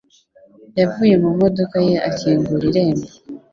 yavuye mu modoka ye akingura irembo.